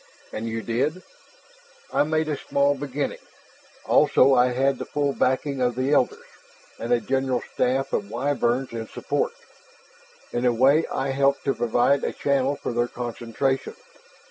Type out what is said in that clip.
"And you did?" "I made a small beginning. Also I had the full backing of the Elders, and a general staff of Wyverns in support. In a way I helped to provide a channel for their concentration.